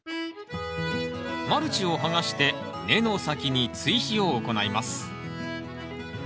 マルチを剥がして根の先に追肥を行います